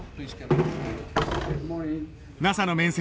ＮＡＳＡの面接